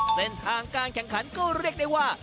เส้นทางการแข่งขันก็เรียกได้ว่า